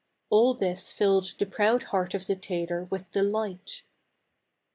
All this filled the proud heart of the tailor with delight.